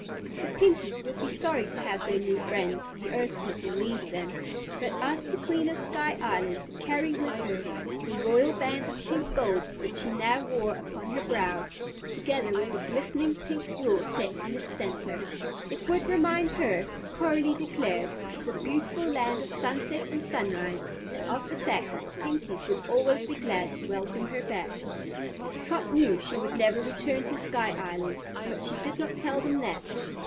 The Pinkies would be sorry to have their new friends, the Earth people, leave them, but asked the Queen of Sky Island to carry with her the royal band of pink gold which she now wore upon her brow, together with the glistening pink jewel set in its center. It would remind her, Coralie declared, of the Beautiful Land of Sunset and Sunrise and of the fact that the Pinkies would always be glad to welcome her back. Trot knew she would never return to Sky Island, but she did not tell them that.